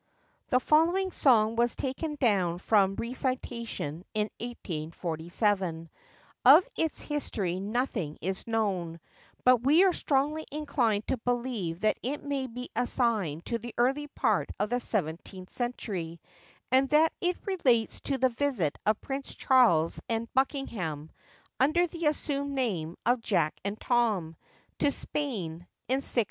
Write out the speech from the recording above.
[THE following song was taken down from recitation in 1847. Of its history nothing is known; but we are strongly inclined to believe that it may be assigned to the early part of the seventeenth century, and that it relates to the visit of Prince Charles and Buckingham, under the assumed names of Jack and Tom, to Spain, in 1623.